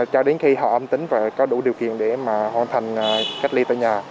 cho đến khi họ âm tính và có đủ điều kiện để mà hoàn thành cách ly tại nhà